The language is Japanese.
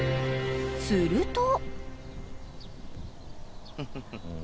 ［すると］